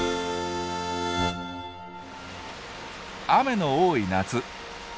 雨の多い夏。